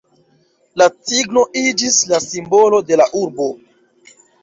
La cigno iĝis la simbolo de la urbo.